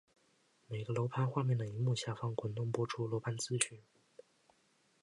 每个楼盘画面的萤幕下方滚动播出楼盘资讯。